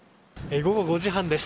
午後５時半です。